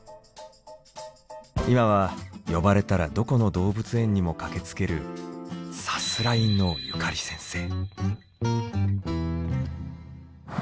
今は呼ばれたらどこの動物園にも駆けつけるさすらいのゆかり先生。